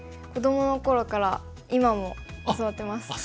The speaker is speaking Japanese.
子どもの頃から今も教わってます。